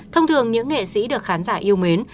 thông thường những nghệ sĩ được khán giả yêu mến